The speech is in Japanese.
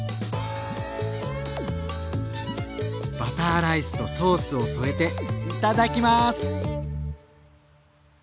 バターライスとソースを添えていただきます！